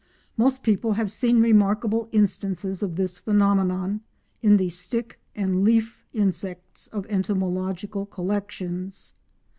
Most people have seen remarkable instances of this phenomenon in the "stick" and "leaf" insects of entomological collections.